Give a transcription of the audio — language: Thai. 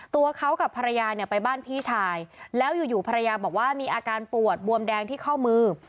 ตัวเขากับภรรยาเนี่ยไปบ้านพี่ชายแล้วอยู่ภรรยาบอกว่ามีอาการปวดบวมแดงที่ข้อมือ